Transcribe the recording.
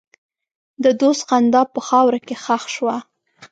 د دوست خندا په خاوره کې ښخ شوه.